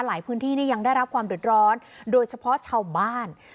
ในพื้นที่นี่ยังได้รับความเดือดร้อนโดยเฉพาะชาวบ้าน